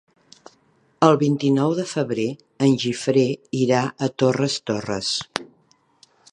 El vint-i-nou de febrer en Guifré irà a Torres Torres.